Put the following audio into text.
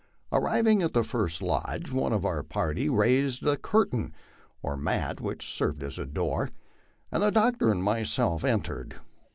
Arriving at the first lodge, one of our party raised the curtain or mat which served as a door, and the doctor and myself entered.